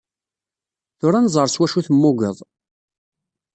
Tura ad nẓer s wacu temmugeḍ.